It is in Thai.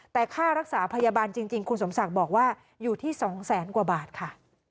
แต่ค่ารักษาพยาบาลจริงคุณสมศักดิ์บอกว่าอยู่ที่๒แสนกว่าบาทค่ะ